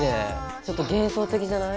ちょっと幻想的じゃない？